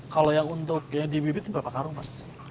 kalau yang untuk yang dibibit ini berapa karung pak